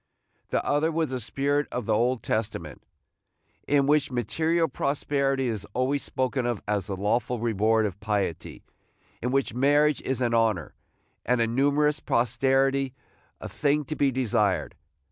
The other was the spirit of the Old Testament, in which material prosperity is always spoken of as the lawful reward of piety, in which marriage is an honor, and a numerous posterity a thing to be desired.